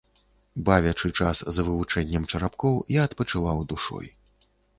Бавячы час за вывучэннем чарапкоў, я адпачываў душой.